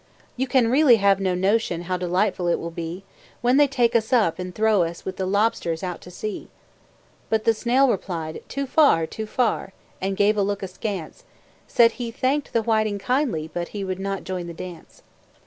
"You can really have no notion How delightful it will be, When they take us up and throw us With the lobsters out to sea! But the snail replied, "Too far, too far!" And gave a look askance Said he thanked the whiting kindly, But he would not join the dance.